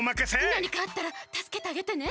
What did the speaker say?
なにかあったらたすけてあげてね。